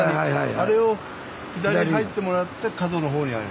あれを左に入ってもらって角の方にある。